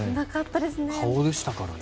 顔でしたからね。